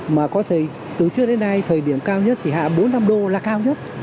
mà có thời từ trước đến nay thời điểm cao nhất thì hạ bốn mươi năm đô là cao nhất